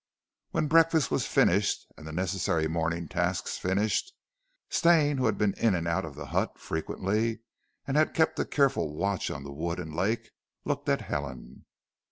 When breakfast was finished and the necessary morning tasks finished, Stane, who had been in and out of the hut frequently and had kept a careful watch on the wood and lake, looked at Helen.